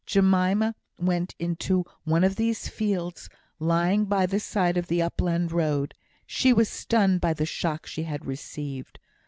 Jemima went into one of these fields, lying by the side of the upland road. She was stunned by the shock she had received.